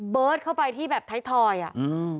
เบิร์ดเข้าไปที่แบบไทยทอยอ่ะ